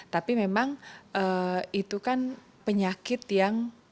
tapi memang itu kan penyakit yang